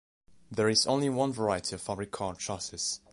There is only one variety of Fabric card chassis.